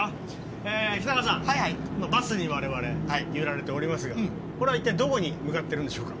北川さん、バスに我々揺られておりますがこれは一体、どこに向かっているんでしょうか？